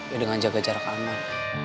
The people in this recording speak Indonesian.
ya dengan jaga jarak aman